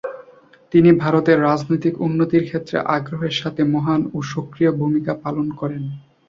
তিনি ভারতে রাজনৈতিক উন্নতির ক্ষেত্রে আগ্রহের সাথে মহান ও সক্রিয় ভূমিকা পালন করেন।